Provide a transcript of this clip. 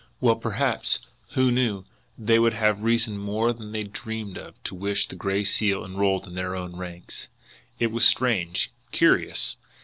Well, perhaps, who knew, they would have reason more than they dreamed of to wish the Gray Seal enrolled in their own ranks! It was strange, curious!